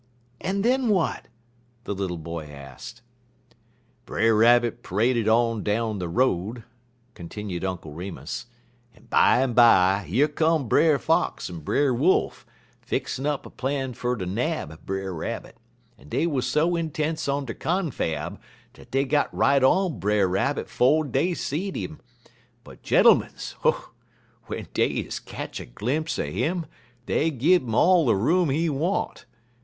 "And then what?" the little boy asked. "Brer Rabbit p'raded on down de road," continued Uncle Remus, "en bimeby yer come Brer Fox en Brer Wolf, fixin' up a plan fer ter nab Brer Rabbit, en dey wuz so intents on der confab dat dey got right on Brer Rabbit 'fo' dey seed 'im; but, gentermens! w'en dey is ketch a glimpse un 'im, dey gun 'im all de room he want.